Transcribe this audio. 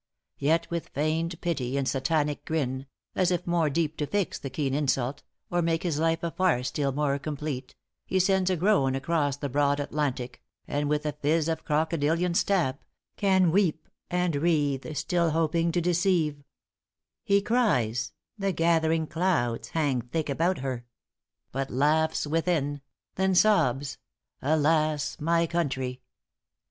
= ```Yet with feigned pity, and Satanic grin, ```As if more deep to fix the keen insult, ```Or make his life a farce still more complete, ```He sends a groan across the broad Atlantic, ```And with a phiz of crocodilian stamp, ```Can weep, and wreathe, still hoping to deceive; ```He cries the gathering clouds hang thick about her, ```But laughs within; then sobs ```Alas, my country!"